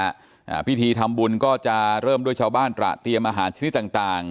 อ่าพิธีทำบุญก็จะเริ่มด้วยชาวบ้านตระเตรียมอาหารชนิดต่างต่าง